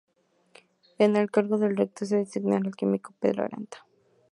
En el cargo de Rector, se designará al químico Pedro Arata.